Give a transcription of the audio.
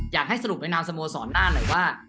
อยากให้สรุปแนะนำสโมศรหน้าแล้วว่า